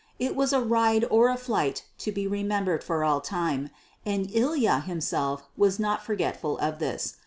It was a ride or a flight to be remembered for all time, and Ilya himself was not forgetful of this.